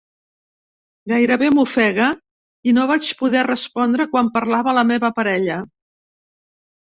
Gairebé m'ofega, i no vaig poder respondre quan parlava la meva parella.